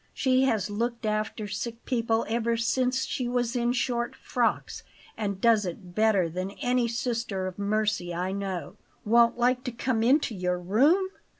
She has looked after sick people ever since she was in short frocks, and does it better than any sister of mercy I know. Won't like to come into your room!